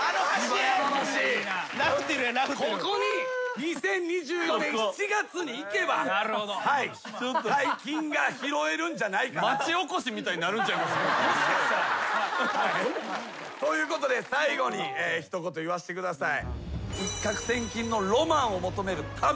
ここに２０２４年７月に行けば大金が拾えるんじゃないかなと。ということで最後に一言言わせてください。